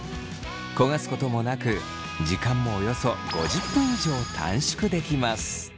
焦がすこともなく時間もおよそ５０分以上短縮できます。